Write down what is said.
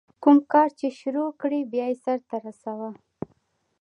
کوم کار چي شروع کړې، بیا ئې سر ته رسوه.